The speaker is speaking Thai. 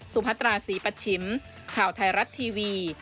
พัตราศรีปัชชิมข่าวไทยรัฐทีวี